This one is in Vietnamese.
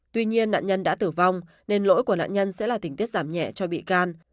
tuy nhiên nạn nhân đã tử vong nên lỗi của nạn nhân sẽ là tình tiết giảm nhẹ cho bị can